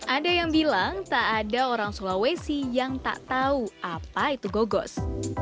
ada yang bilang tak ada orang sulawesi yang tak tahu apa itu gogos